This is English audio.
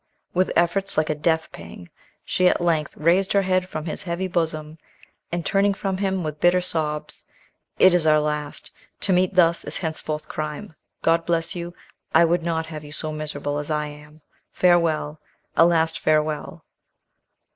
With efforts like a death pang she at length raised her head from his heaving bosom, and turning from him with bitter sobs, "It is our last. To meet thus is henceforth crime. God bless you. I would not have you so miserable as I am. Farewell. A last farewell."